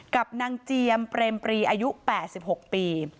กับนางเจียมเปรมปรีอายุ๘๖ปี